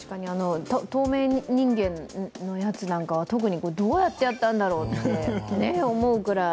透明人間のやつなんかは、特にどうやったんだろうって思うくらい。